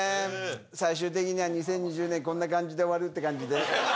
最終的には２０２２年こんな感じで終わるって感じで。